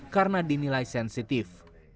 karena dinilai sensitif